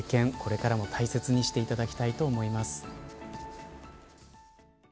これからも大切にしていただきたいと思います。